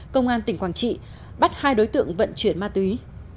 công an tỉnh quảng trị bắt hai đối tượng vận chuyển ma túy